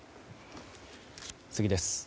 次です。